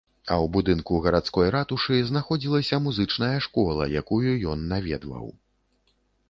А ў будынку гарадской ратушы знаходзілася музычная школа, якую ён наведваў.